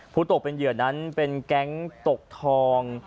ตกเป็นเหยื่อนั้นเป็นแก๊งตกทอง